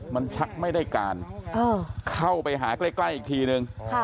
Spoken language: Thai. มันชักไม่ได้การเออเข้าไปหาใกล้ใกล้อีกทีหนึ่งฮะ